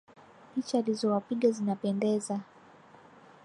Picha alizowapiga zinapendeza